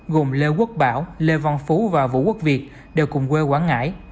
gồm lê quốc bảo lê văn phú và vũ quốc việt đều cùng quê quảng ngãi